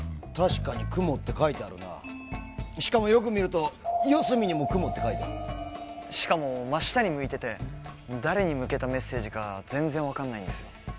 確かに雲って書いてあるなしかもよく見ると四隅にも雲って書いてあるしかも真下に向いてて誰に向けたメッセージか全然分かんないんですよ